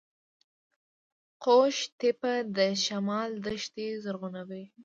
قوش تیپه د شمال دښتې زرغونوي